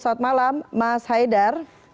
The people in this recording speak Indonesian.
saat malam mas haidar